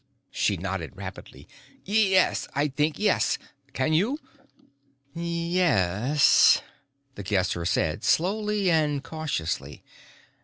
She nodded rapidly. "Yes ... I think, yes. Can you?" "Ye e es," The Guesser said, slowly and cautiously.